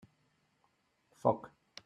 Foc.